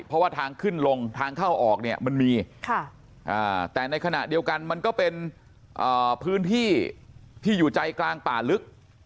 เพราะว่าทางขึ้นลงทางเข้าออกเนี่ยมันมีแต่ในขณะเดียวกันมันก็เป็นพื้นที่ที่อยู่ใจกลางป่าลึก